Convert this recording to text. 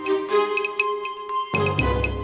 kok ramai pake tv sekarang artist